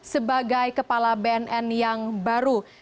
sebagai kepala bnn yang baru